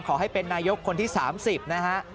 ขอให้เป็นนายกคนที่๓๐นะฮะ